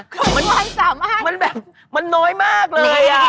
ความสามารถมันแบบมันน้อยมากเลย